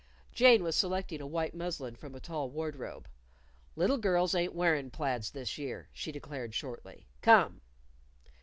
Jane was selecting a white muslin from a tall wardrobe. "Little girls ain't wearin' plaids this year," she declared shortly. "Come."